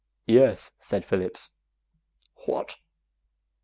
"Yes," said Phillips. "What?"